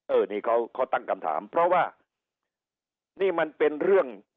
เออนี่เขาตั้งคำถามเพราะว่านี่มันเป็นเรื่อง